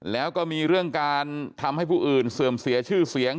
แล้วก็มีเรื่องการทำให้ผู้อื่นเสื่อมเสียชื่อเสียง